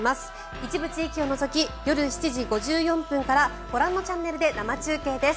一部地域を除き夜７時５４分からご覧のチャンネルで生中継です。